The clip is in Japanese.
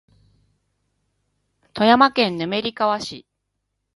富山県滑川市